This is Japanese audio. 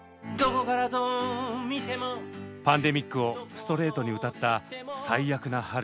パンデミックをストレートに歌った「最悪な春」。